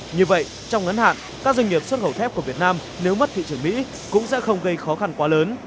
như vậy trong ngắn hạn các doanh nghiệp xuất khẩu thép của việt nam nếu mất thị trường mỹ cũng sẽ không gây khó khăn quá lớn